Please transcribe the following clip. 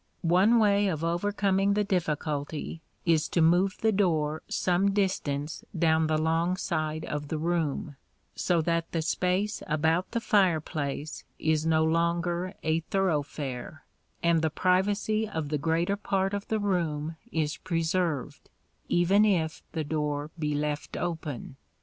One way of overcoming the difficulty is to move the door some distance down the long side of the room, so that the space about the fireplace is no longer a thoroughfare, and the privacy of the greater part of the room is preserved, even if the door be left open.